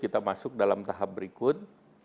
kita masuk dalam tahap berikut